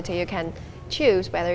kamu ada kesempatan